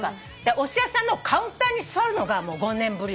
おすし屋さんのカウンターに座るのがもう５年ぶり。